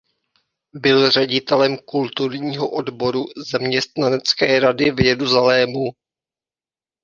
Byl ředitelem kulturního odboru zaměstnanecké rady v Jeruzalému.